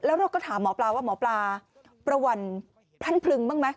แล้วเราก็ถามหมอปลาว่าหมอปลาประวันพรั่นพลึงบ้างไหม